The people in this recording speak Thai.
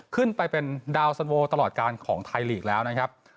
ขึ้นไปเป็นดาวสันโวตลอดการของไทยลีกแล้วนะครับ